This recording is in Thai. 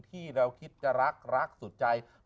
ที่เราคิดจะรักรักสุดใจ